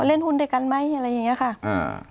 เล่นหุ้นด้วยกันไหมอะไรอย่างเงี้ยค่ะอ่า